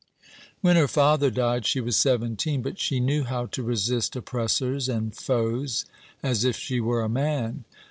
"When her father died she was seventeen, but she knew how to resist oppressors and foes as if she were a man.